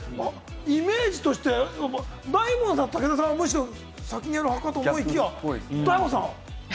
イメージとして大門さん、武田さん、むしろ先にやるのかと思いきや、大門さん。